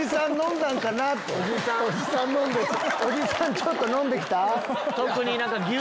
ちょっと飲んで来た？